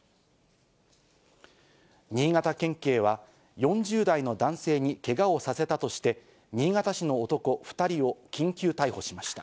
新潟県警は、４０代の男性にけがをさせたとして、新潟市の男２人を緊急逮捕しました。